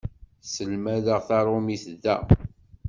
Sselmadeɣ taṛumit da.